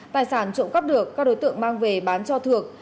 tài sản trộm cắp được các đối tượng mang về bán cho thượng